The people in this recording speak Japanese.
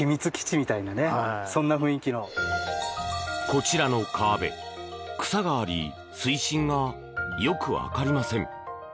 こちらの川辺、草があり水深がよく分かりません。